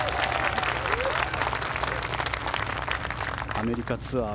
アメリカツアー